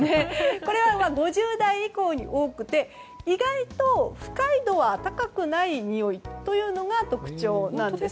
これは５０代以降に多くて意外と不快度が高くないにおいというのが特徴です。